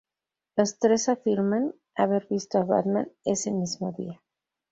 Los tres afirman haber visto a Batman ese mismo día.